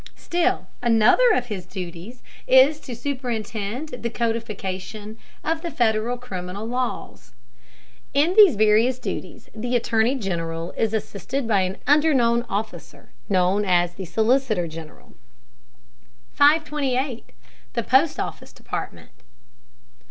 Still another of his duties is to superintend the codification of the Federal criminal laws. In these various duties the Attorney General is assisted by an under officer known as the solicitor general. 528. THE POST OFFICE DEPARTMENT.